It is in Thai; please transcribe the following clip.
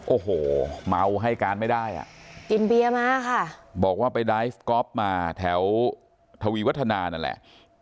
โอ้โหเมาให้การไม่ได้อ่ะกินเบียร์มาค่ะบอกว่าไปไดฟ์ก๊อฟมาแถวทวีวัฒนานั่นแหละ